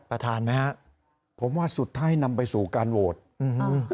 ประธานไหมฮะผมว่าสุดท้ายนำไปสู่การโหวตอืม